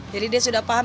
jadi dia sudah paham